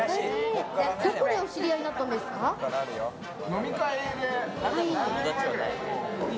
どこでお知り合いになったん飲み会で。